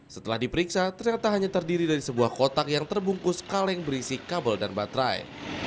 setelah diperiksa ternyata hanya terdiri dari sebuah kotak yang terbungkus kaleng berisi kabel dan baterai